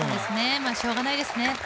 しょうがないですね。